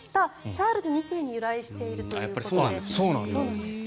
チャールズ２世に由来しているそうです。